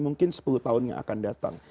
mungkin sepuluh tahunnya akan datang